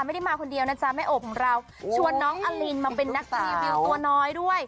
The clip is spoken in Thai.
ไม่ได้มาคนเดียวนะจ๊ะแม่โอบของเราชวนน้องอลินมาเป็นนักรีวิวตัวน้อยด้วย